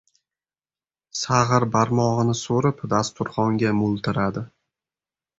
Sag‘ir barmog‘ini so‘rib, dasturxonga mo‘ltiradi.